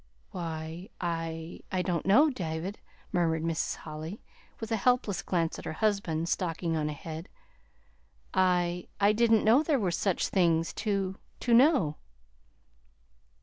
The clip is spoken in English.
"Why, I I don't know, David," murmured Mrs. Holly, with a helpless glance at her husband stalking on ahead. "I I didn't know there were such things to to know."